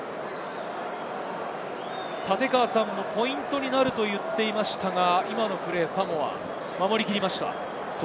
立川さんもポイントになると言っていましたが、サモア、守り切りました。